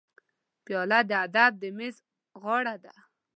پیاله د ادب د میز غاړه ده.